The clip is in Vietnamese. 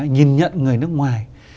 nhìn nhận người nước ngoài